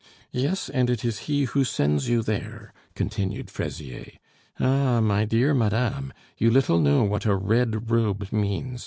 "Yes, and it is he who sends you there," continued Fraisier. "Ah! my dear madame, you little know what a red robe means!